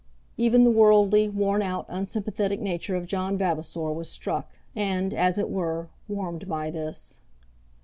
"] Even the worldly, worn out, unsympathetic nature of John Vavasor was struck, and, as it were, warmed by this.